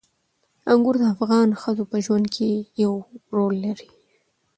انګور د افغان ښځو په ژوند کې یو رول لري.